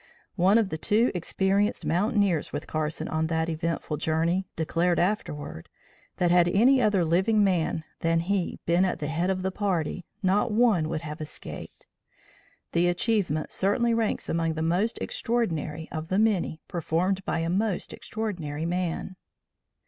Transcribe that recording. One of the two experienced mountaineers with Carson on that eventful journey, declared afterward, that had any other living man than he been at the head of the party not one would have escaped. The achievement certainly ranks among the most extraordinary of the many performed by a most extraordinary man.